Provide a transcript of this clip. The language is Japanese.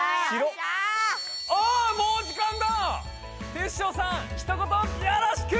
テッショウさんひと言よろしく！